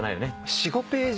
４５ページ。